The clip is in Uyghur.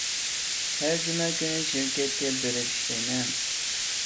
ھەر جۈمە كۈنى شىركەتكە بېرىپ ئىشلەيمەن.